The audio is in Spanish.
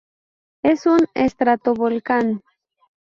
Es un estratovolcán.